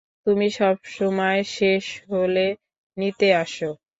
তুমি সবসময় শেষ হলে নিতে আসো।